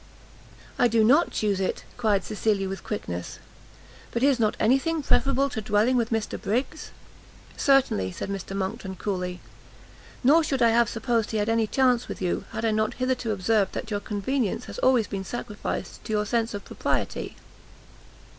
"I do not chuse it," cried Cecilia, with quickness, "but is not any thing preferable to dwelling with Mr Briggs?" "Certainly," said Mr Monckton coolly, "nor should I have supposed he had any chance with you, had I not hitherto observed that your convenience has always been sacrificed to your sense of propriety."